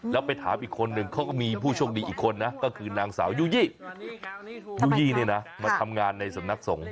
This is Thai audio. แล้วไปถามอีกคนนึงเขาก็มีผู้โชคดีอีกคนนะก็คือนางสาวยูยี่ยู่ยี่เนี่ยนะมาทำงานในสำนักสงฆ